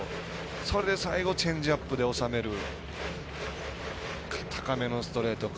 それで最後、チェンジアップで収めるか、高めのストレートか。